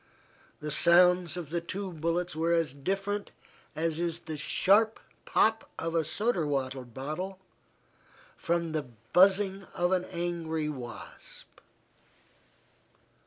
The sounds of the two bullets were as different as is the sharp pop of a soda water bottle from the buzzing of an angry wasp.